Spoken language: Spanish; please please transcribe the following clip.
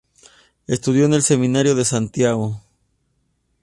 Estudió en el Seminario de Santiago.